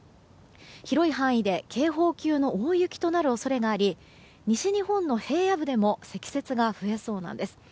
広い範囲で警報級の大雪となる恐れがあり西日本の平野部でも積雪が増えそうなんです。